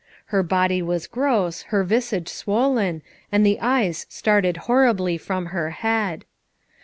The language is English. Her body was gross, her visage swollen, and the eyes started horribly from her head.